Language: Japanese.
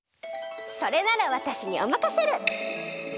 それならわたしにおまかシェル！